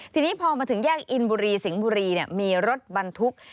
ทีนี้พอมาถึงแยกอินบุรีสิงห์บุรีมีรถบรรทุก